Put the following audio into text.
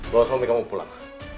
gua harus meminta kamu pulang